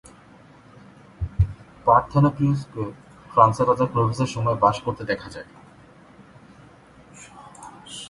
পারথেনোপিউসকে ফ্রান্সের রাজা ক্লোভিসের সময়ে বাস করতে দেখা যায়।